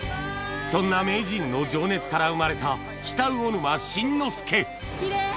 そんな名人の情熱から生まれた北魚沼新之助キレイ。